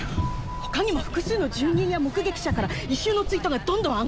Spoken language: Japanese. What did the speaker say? ほかにも複数の住人や目撃者から異臭のツイートがどんどん上がってるんです。